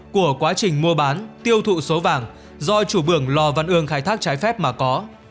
của quá trình mua bán tiêu thụ số vàng do chủ bường lò văn ương khai thác trái phép mà có